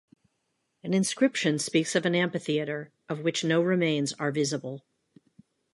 An inscription speaks of an amphitheatre, of which no remains are visible.